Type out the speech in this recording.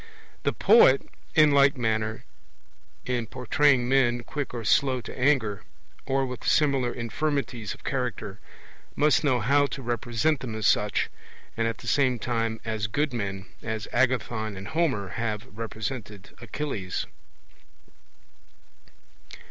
The poet in like manner, in portraying men quick or slow to anger, or with similar infirmities of character, must know how to represent them as such, and at the same time as good men, as Agathon and Homer have represented Achilles.